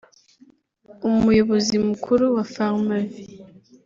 Umuyobozi Mukuru wa Pharmavie